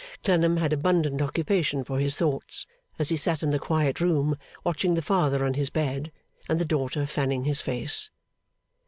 Clennam had abundant occupation for his thoughts, as he sat in the quiet room watching the father on his bed, and the daughter fanning his face.